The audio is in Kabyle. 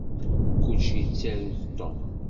Kullec yettaru-t Tom.